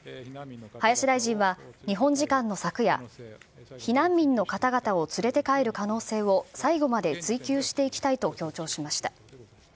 林大臣は日本時間の昨夜、避難民の方々を連れて帰る可能性を最後まで追求していきたいと強調しました。